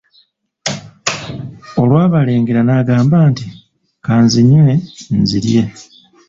Olwabalengera n'agamba nti:"kanzinywe nzirye"